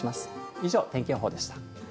以上、天気予報でした。